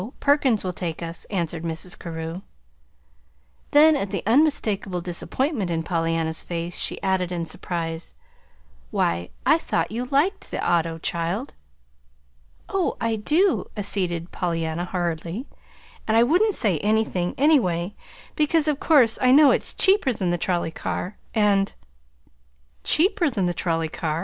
Perkins will take us," answered Mrs. Carew. Then, at the unmistakable disappointment in Pollyanna's face, she added in surprise: "Why, I thought you liked the auto, child!" "Oh, I do," acceded Pollyanna, hurriedly; "and I wouldn't say anything, anyway, because of course I know it's cheaper than the trolley car, and " "'Cheaper than the trolley car'!"